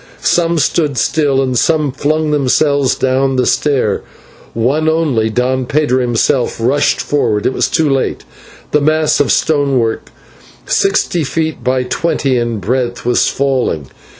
Some stood still and some flung themselves down the stair, one only, Don Pedro himself, rushed forward. It was too late; the mass of stonework, sixty feet long by twenty in breadth, was falling.